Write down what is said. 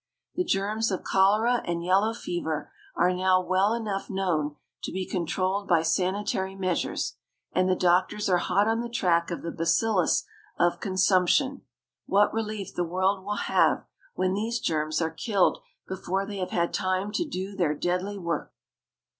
The germs of cholera and yellow fever are now well enough known to be controlled by sanitary measures, and the doctors are hot on the track of the bacillus of consumption. What relief the world will have when these germs are killed before they have had time to do their deadly work!